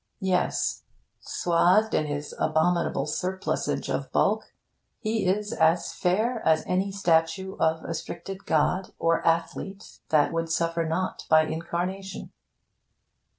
Yes! Swathed in his abominable surplusage of bulk, he is as fair as any statue of astricted god or athlete that would suffer not by incarnation...